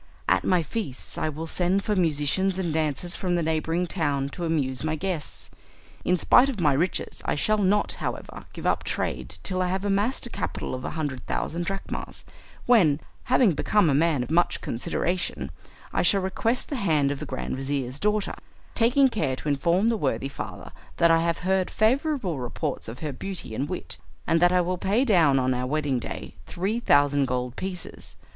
At my feasts I will send for musicians and dancers from the neighbouring town to amuse my guests. In spite of my riches I shall not, however, give up trade till I have amassed a capital of a hundred thousand drachmas, when, having become a man of much consideration, I shall request the hand of the grand vizir's daughter, taking care to inform the worthy father that I have heard favourable reports of her beauty and wit, and that I will pay down on our wedding day 3 thousand gold pieces.